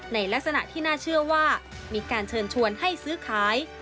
ในลักษณะที่น่าเชื่อว่ามีการเชิญชวนให้ซื้อขาย